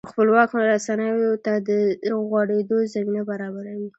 خپلواکو رسنیو ته د غوړېدو زمینه برابروي.